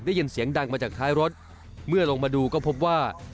ได้ยินเสียงดังมาจากท้ายรถเมื่อลงมาดูก็พบว่า